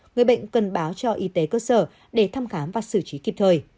người bệnh cần báo cho y tế cơ sở để thăm khám và xử trí kịp thời